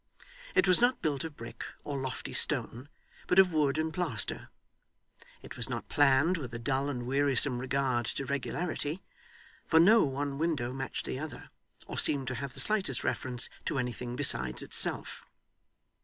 It was not built of brick or lofty stone, but of wood and plaster; it was not planned with a dull and wearisome regard to regularity, for no one window matched the other, or seemed to have the slightest reference to anything besides itself.